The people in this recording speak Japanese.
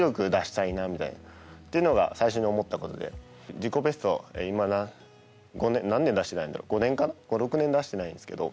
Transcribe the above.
自己ベスト、何年出してないんだろう５６年出してないんですけど。